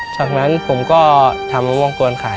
จากนั้นผมก็ทำมะม่วงกวนขาย